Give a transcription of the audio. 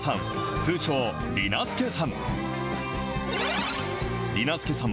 通称、りな助さん。